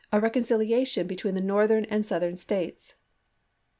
reconciliation between the Northern and Southern Oct. 5, States.